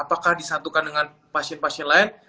apakah disatukan dengan pasien pasien lain